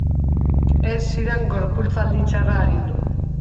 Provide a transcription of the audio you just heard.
Ez zidan gorputzaldi txarra arindu.